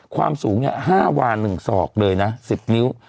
ความสูง๕วา๑ศอกเลยนะ๑๐นิ้ว